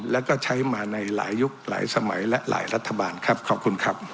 แล้วก็ใช้มาในหลายยุคหลายสมัยและหลายรัฐบาลครับขอบคุณครับ